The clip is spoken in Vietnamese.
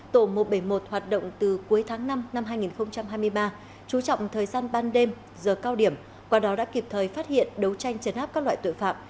tổ một trăm bảy mươi một hoạt động từ cuối tháng năm năm hai nghìn hai mươi ba chú trọng thời gian ban đêm giờ cao điểm qua đó đã kịp thời phát hiện đấu tranh chấn áp các loại tội phạm